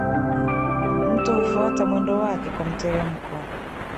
Mto hufuata mwendo wake kwa mtelemko